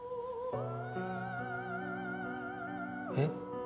えっ？